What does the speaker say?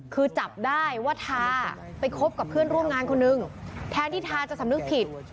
คือจับได้ว่าทาไปคบกับเพื่อนร่วมงานคนนึงแทนที่ทาจะสำนึกผิด